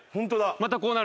またこうなる。